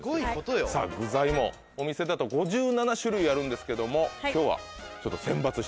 さぁ具材もお店だと５７種類あるんですけども今日はちょっと選抜して。